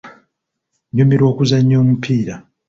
Nnyumirwa okuzannya omupiira.